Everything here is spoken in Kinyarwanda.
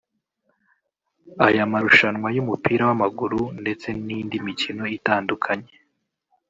Aya marushanwa y’umupira w’amaguru ndetse n’indi mikino itandukanye